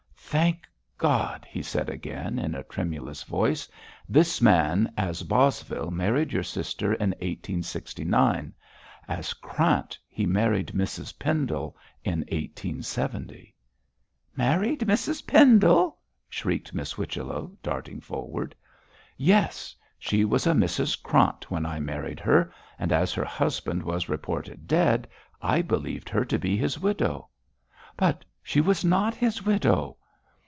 'Thank God!' he said again, in a tremulous voice. 'This man as Bosvile married your sister in 1869, as Krant he married Mrs Pendle in 1870.' 'Married Mrs Pendle!' shrieked Miss Whichello, darting forward. 'Yes. She was a Mrs Krant when I married her, and as her husband was reported dead, I believed her to be his widow.' 'But she was not his widow!'